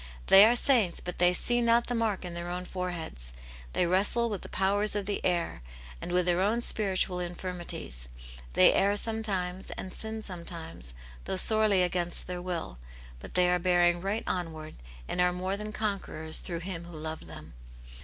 They are saints, but they see not the mark in their own foreheads ; they wrestle with the powers of the air, and with their own spiritual infirmities ; they err sometimes, and sin sometimes, though sorely against their will, but they are bearing right onward, and are more than conquerors through Him who loved them.